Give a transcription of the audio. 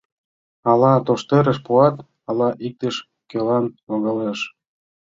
Ала тоштерыш пуат, ала иктаж-кӧлан логалеш.